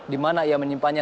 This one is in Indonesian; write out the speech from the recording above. dimana ia menyimpannya